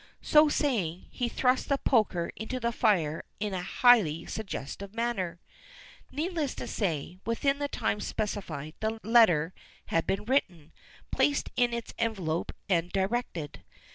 So saying, he thrust the poker into the fire in a highly suggestive manner. Needless to say, within the time specified the letter had been written, placed in its envelope, and directed.